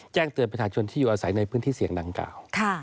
แจ้งเตือนประชาชนที่อยู่อาศัยในพื้นที่เสี่ยงดังกล่าว